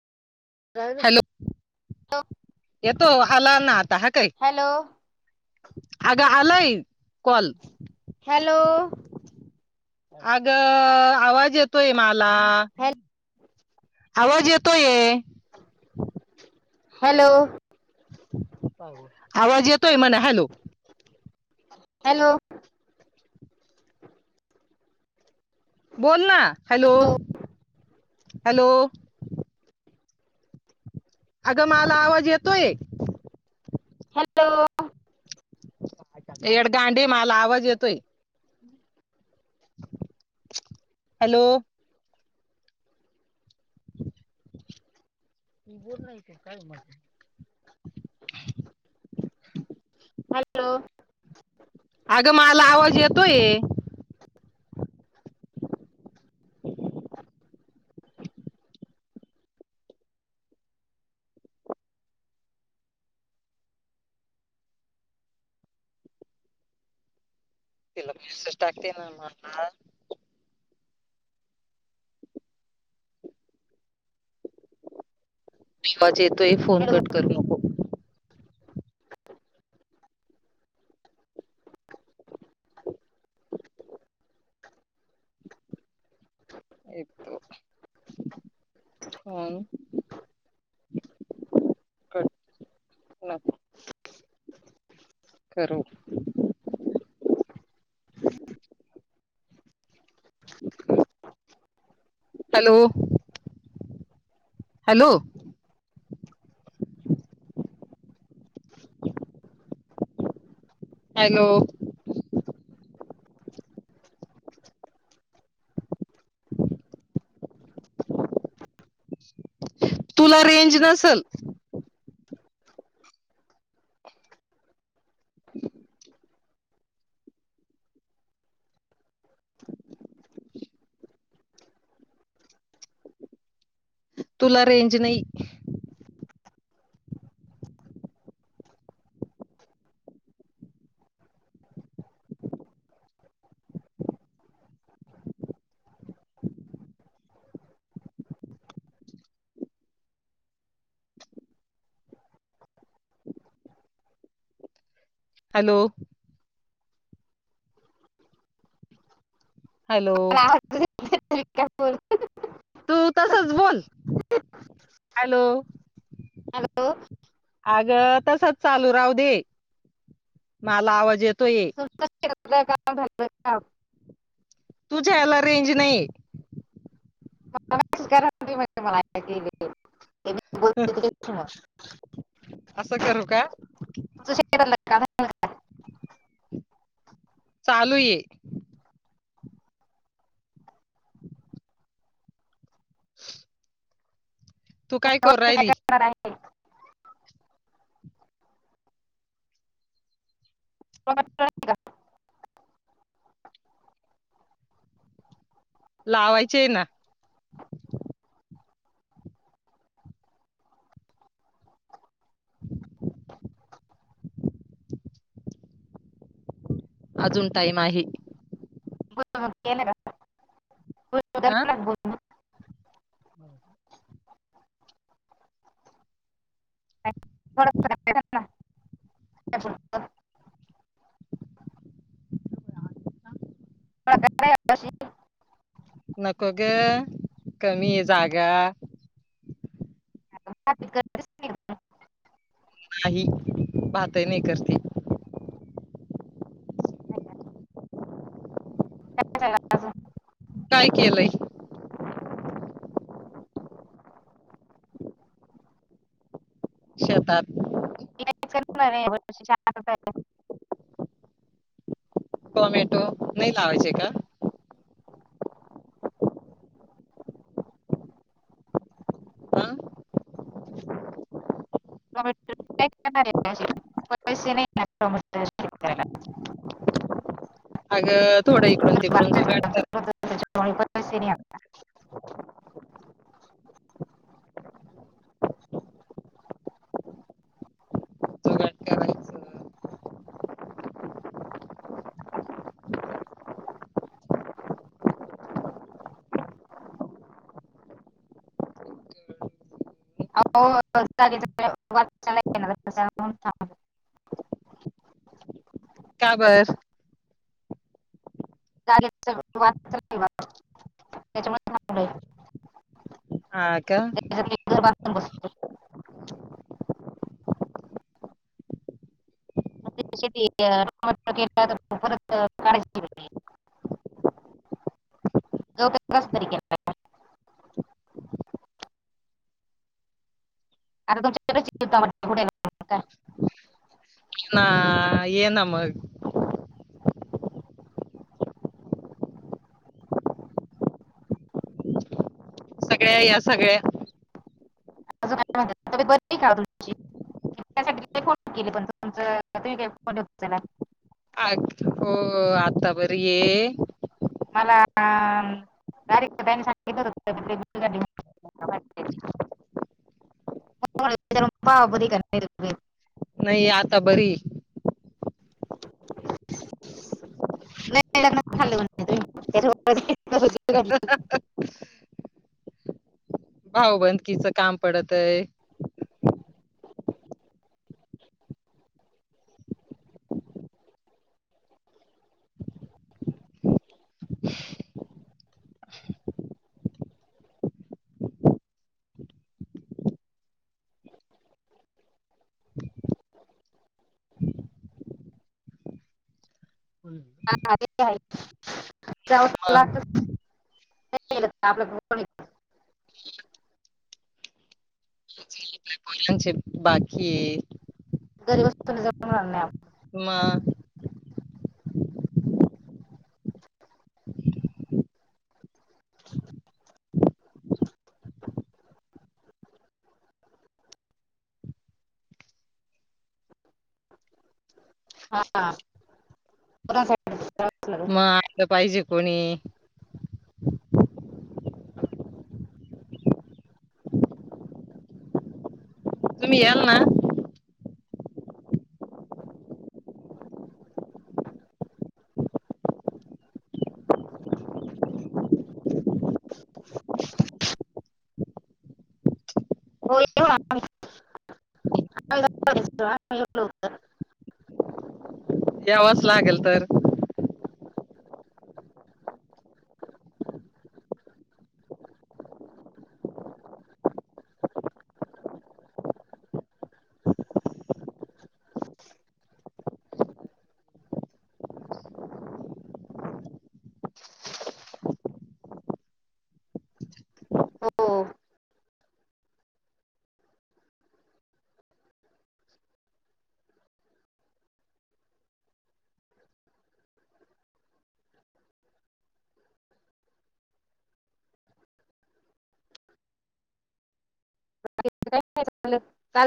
Hello hello येतो हा आला ना आता हा काय हॅलो अगं आलंय हॅलो अगं आवाज येतोय मला. आवाज येतोय हॅलो आवाज येतोय मने हॅलो. हॅलो बोल ना हॅलो हॅलो [inaudible] अगं मला आवाज येतोय. हॅलो एड गांडे मला आवाज येतोय हॅलो [unintelligible] [inaudible] हलो अगं मला आवाज येतोय. [inaudible] तिला मेसेज टागतेना मला आवाज येतोय फोन कट करु नको. [inaudible] [inaudible] येतो. फोन कट न [inaudible] करू हॅलो, हॅलो [inaudible] [inaudible] हॅलो, तुला रेंज नसल. हम, तुला रेंज नाही. हॅलो, हॅलो, त्रिकपूरऽऽ तू तसच बोल,, हॅलो, हॅलो अग ऽऽतसच चालू राहू दे. मला आवाज येतो ये. तुमचं शेतातलं का? तुझ्या याला रेंज नाही. म, असं करू का? तुझं शऽऽ चालू ये. [inaudible] तू काय करू राहिली? एक, का? लावायचे आहे ना. [unintelligible] अजून टाईम आहे. केल का? आह हम् ह थोडं थोडं शी नको ग कमी आहे जागा नाही पाहतही नाही करते काय केलं शेतात करणार आहे. टोमॅटो नाहीय नावेचे का ह णार नाहीला अगं थोडं इकडून घर तिकडून सु बांधायचं काम काट चालू होतं त्याच्यामुळे पैसे नाही आता. जुगाड करायचं होां का बर जागेचं वाद चाललंय वाद. त्याच्यामुळे थांबलोय ह का त्याच्यात मी घर बांधून बसतो े के तर परत काढायची गहू तर कसं तरी केला अर तुमच्याटठ का ना येन मग सगळ्या या सगळ्या अ काय म्हणतात बरी काढ त्यासाठी फोन केले पण तुमच तुम्ही काय फोनता त्याला अ हो आता बरी ये मला तारीखनी सांगित हो [inaudible] नाही आता बरी नाही झाला म्हण भावबंदकीच काम पडत आहे हा [inaudible] मग केलं आपल्या कोणी म्ह बाकी घरी वस्तू जणार नाही मग हा [inaudible] मग पाहिजे कोणी तुम्ही याल ना [inaudible] हो येव [inaudible] याव लागेल तर [inaudible] हो बाकी [inaudible]